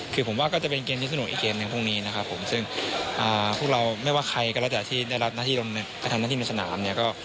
คือผมว่าก็จะเป็นเกมที่สนุกอีกเกมในพรุ่งนี้นะครับผมซึ่งพวกเราไม่ว่าใครก็แล้วแต่ที่ได้รับหน้าที่ลงไปทำหน้าที่ในสนามเนี่ยก็